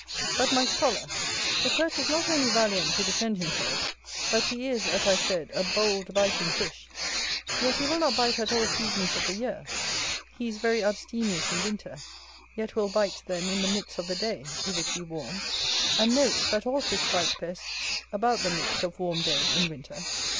But, my scholar, the Perch is not only valiant to defend himself, but he is, as I said, a bold biting fish: yet he will not bite at all seasons of the year; he is very abstemious in winter, yet will bite then in the midst of the day, if it be warm: and note, that all fish bite best about the midst of warm day in winter.